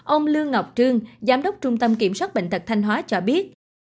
ông lương ngọc trương giám đốc trung tâm kiểm soát bệnh tật thanh hóa cho biết